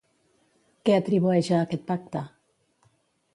Què atribueix a aquest pacte?